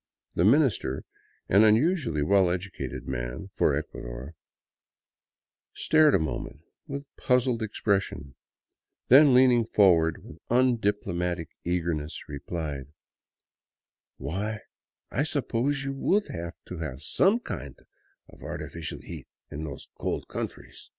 The Minister, an unusually well edu cated man for Ecuador, stared a moment with a puzzled expression, then leaning forward with undiplomatic eagerness, replied :" Why, I suppose you would have to have some kind of artificial heat in those cold countries